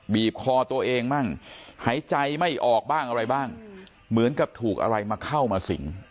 บีบคอตัวเองบ้างหายใจไม่ออกบ้างอะไรบ้างเหมือนกับถูกอะไรมาเข้ามาสิง